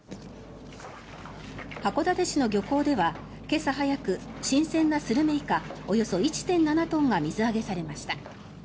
函館市の漁港では今朝早く新鮮なスルメイカおよそ１．７トンが水揚げされました。